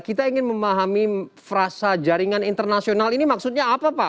kita ingin memahami frasa jaringan internasional ini maksudnya apa pak